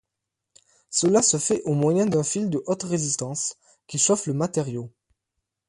Cela se fait au moyen d'un fil de haute résistance qui chauffe le matériau.